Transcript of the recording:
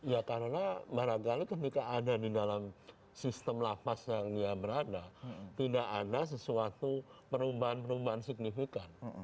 ya karena barangkali ketika ada di dalam sistem lapas yang dia berada tidak ada sesuatu perubahan perubahan signifikan